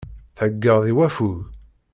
Theggaḍ i waffug.